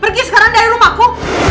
pergi sekarang dari rumahku